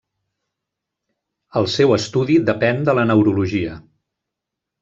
El seu estudi depèn de la neurologia.